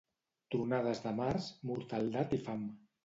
Tronades de març, mortaldat i fam.